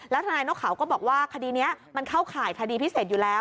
ทนายนกเขาก็บอกว่าคดีนี้มันเข้าข่ายคดีพิเศษอยู่แล้ว